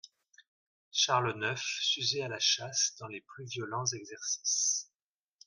Charles neuf s'usait à la chasse dans les plus violents exercices.